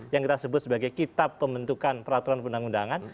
yang kita sebut sebagai kitab pembentukan peraturan perundang undangan